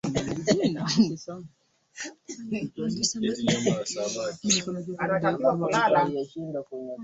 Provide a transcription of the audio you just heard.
awe au aone kwamba ni hasara kulima zao lile